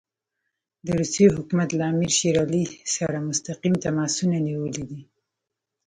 د روسیې حکومت له امیر شېر علي سره مستقیم تماسونه نیولي دي.